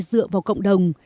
dựa vào cộng đồng